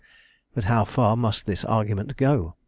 But how far must this argument go?